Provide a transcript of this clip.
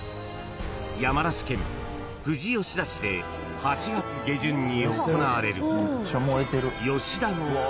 山梨県富士吉田市で８月下旬に行われる］